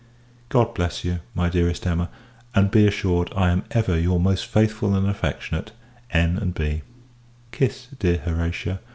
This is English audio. God bless you, my dearest Emma! and, be assured, I am ever your most faithful and affectionate N. & B. Kiss dear Horatia.